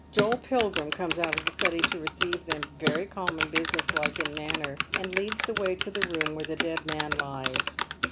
Joel Pilgrim comes out of the study to receive them, very calm and business like in manner, and leads tkeway to the room where the dead man lies.